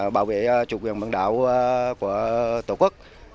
bảo vệ chủ quyền bằng đảo của tổ quốc